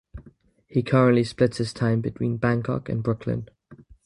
He currently splits his time between Bangkok and Brooklyn.